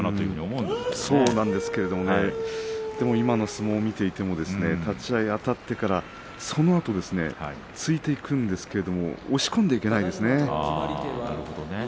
そうなんですけれどもねでも今の相撲を見ていても立ち合いあたってからそのあと突いていくんですけど押し込んでいけないんですね。